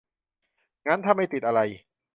งั้นถ้าไม่ติดอะไร